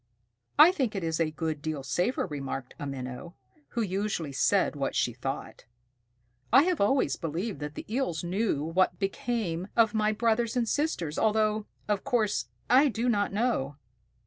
"I think it is a good deal safer," remarked a Minnow, who usually said what she thought. "I have always believed that the Eels knew what became of some of my brothers and sisters, although, of course, I do not know."